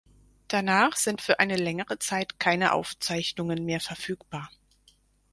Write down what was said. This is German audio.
Danach sind für eine längere Zeit keine Aufzeichnungen mehr Verfügbar.